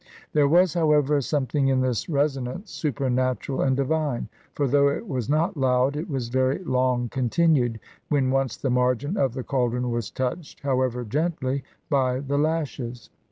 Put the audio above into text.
There was, however, something in this resonance supernatural and divine; for, though it was not loud, it was very long continued, when once the margin of the caldron was touched, however gently, by the lashes.